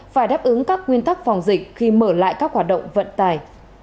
phải đáp ứng các nguyên tắc phòng dịch khi mở lại các hoạt động vận tài